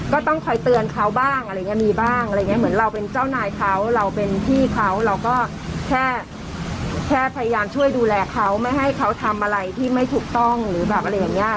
ก็ต้องคอยเตือนเขาบ้างอะไรอย่างเงี้มีบ้างอะไรอย่างเงี้เหมือนเราเป็นเจ้านายเขาเราเป็นพี่เขาเราก็แค่แค่พยายามช่วยดูแลเขาไม่ให้เขาทำอะไรที่ไม่ถูกต้องหรือแบบอะไรอย่างเงี้ย